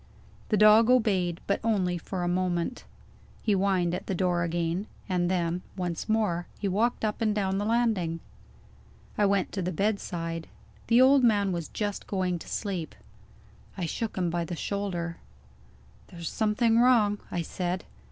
The dog obeyed, but only for a moment. He whined at the door again and then, once more, he walked up and down the landing. I went to the bedside. The old man was just going to sleep. I shook him by the shoulder. "There's something wrong," I said.